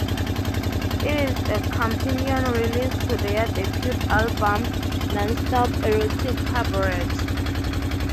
It is a companion release to their debut album, "Non-Stop Erotic Cabaret".